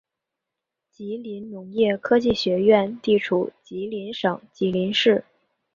吉林农业科技学院地处吉林省吉林市。